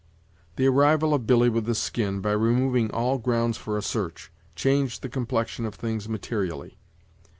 The arrival of Billy with the skin, by removing all grounds for a search, changed the complexion of things materially.